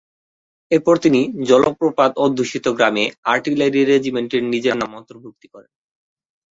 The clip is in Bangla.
এরপর তিনি জলপ্রপাত অধ্যুষিত গ্রামে আর্টিলারি রেজিমেন্টে নিজের নাম অন্তর্ভুক্ত করেন।